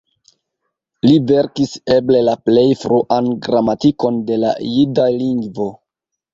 Li verkis eble la plej fruan gramatikon de la jida lingvo.